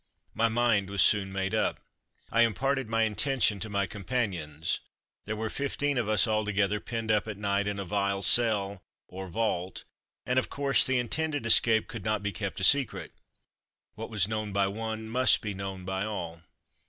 My mind was soon made up. I imparted my intention to my companions. There were fifteen of us, altogether, penned up at night in a vile cell or vault, and, of course, the intended escape could not be kept a secret; what was known by one, must be known by all.